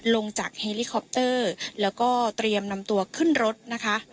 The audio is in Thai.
ลงจากเฮลิคอปเตอร์แล้วก็เตรียมนำตัวขึ้นรถนะคะ